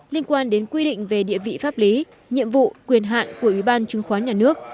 liên quan đến quy định về địa vị pháp lý nhiệm vụ quyền hạn của ủy ban chứng khoán nhà nước